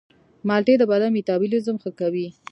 مالټې د بدن میتابولیزم ښه کوي.